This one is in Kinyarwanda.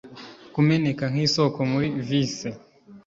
Kumeneka nk'isoko muri vice